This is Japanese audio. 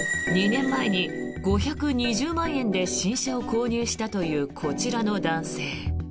２年前に５２０万円で新車を購入したというこちらの男性。